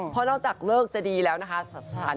เพราะนอกจากเลิกจะดีแล้วนะคะสถานที่ยังส่งพลังด้วย